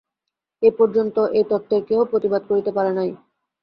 এ পর্যন্ত এ তত্ত্বের কেহ প্রতিবাদ করিতে পারে নাই।